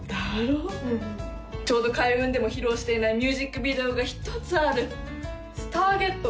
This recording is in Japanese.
うんうんちょうど開運でも披露していないミュージックビデオが１つある「ＳＴＡＲＧＥＴ」